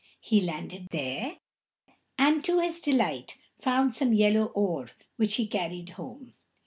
He landed there, and, to his delight, found some yellow ore, which he carried home.